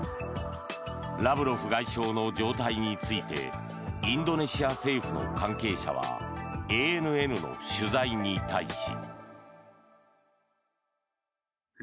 ラブロフ外相の状態についてインドネシア政府の関係者はＡＮＮの取材に対し。